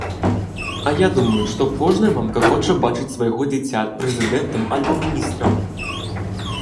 А я думаю, што кожная мамка хоча бачыць свайго дзіця прэзідэнтам альбо міністрам.